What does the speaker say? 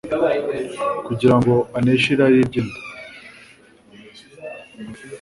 Kugira ngo aneshe irari ry’inda,